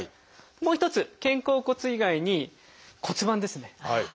もう一つ肩甲骨以外に骨盤ですね。